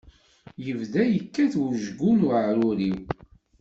Yebda yekkat wejgu n uɛrur-iw.